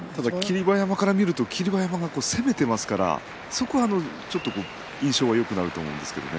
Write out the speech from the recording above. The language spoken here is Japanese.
馬山から見ると霧馬山が攻めていますから印象がよくなると思うんですけどね。